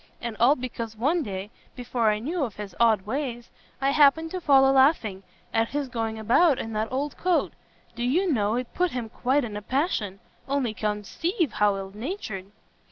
and all because one day, before I knew of his odd ways, I happened to fall a laughing at his going about in that old coat. Do you know it put him quite in a passion! only conceive how ill natured!"